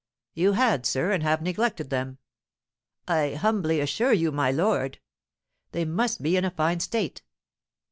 "You had, sir, and have neglected them!" "I humbly assure you, my lord " "They must be in a fine state!"